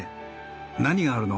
何があるの？